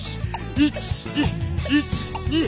１２１２。